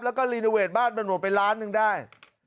แล้วก็รีโนเวทบ้านมันหมดไปล้านหนึ่งได้